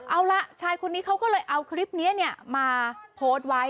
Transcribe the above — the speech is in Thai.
เอาล่ะชายคนนี้เขาก็เลยเอาคลิปนี้มาโพสต์ไว้